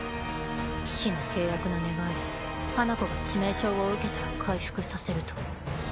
騎士の契約の願いで花子が致命傷を受けたら回復させると。